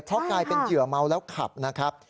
เพราะกลายเป็นเหยื่อเมาแล้วขับนะครับ